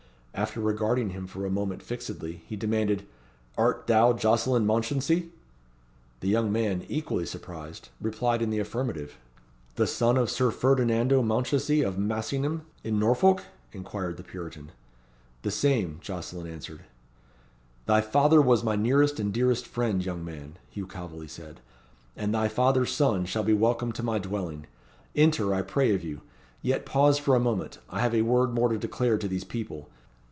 After regarding him for a moment fixedly, he demanded "Art thou Jocelyn Mounchensey?" The young man, equally surprised, replied in the affirmative. "The son of Sir Ferdinando Mounchensey, of Massingham, in Norfolk?" inquired the Puritan. "The same," Jocelyn answered. "Thy father was my nearest and dearest friend, young man," Hugh Calveley said; "and thy father's son shall be welcome to my dwelling. Enter, I pray of you. Yet pause for a moment. I have a word more to declare to these people.